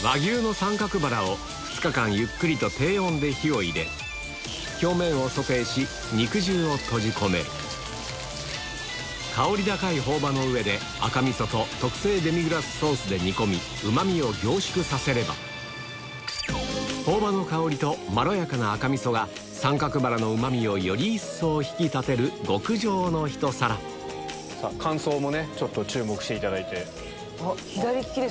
２日間ゆっくりと低温で火を入れ表面をソテーし肉汁を閉じ込める香り高い朴葉の上で赤味噌と特製デミグラスソースで煮込みうま味を凝縮させれば朴葉の香りとまろやかな赤味噌が三角ばらのうま味をより一層引き立てる極上のひと皿感想も注目していただいて。